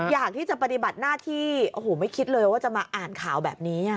อยากที่จะปฏิบัติหน้าที่โอ้โหไม่คิดเลยว่าจะมาอ่านข่าวแบบนี้